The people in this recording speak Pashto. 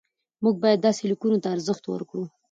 موږ باید داسې لیکنو ته ارزښت ورکړو.